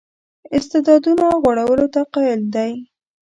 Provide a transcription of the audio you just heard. استعدادونو غوړولو ته قایل دی.